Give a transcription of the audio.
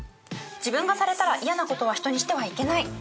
自分がされたら嫌なことは人にしてはいけない。